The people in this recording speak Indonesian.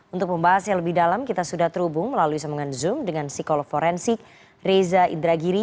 untuk pembahas yang lebih dalam kita sudah terhubung melalui sambungan zoom dengan psikolog forensik reza indragiri